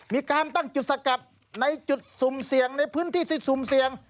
มีการตั้งจุดสกัดในพื้นที่ซึ่งซุมเสียง